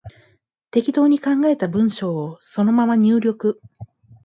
適当に考えた文章をそのまま入力